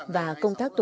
và công tác tổ chức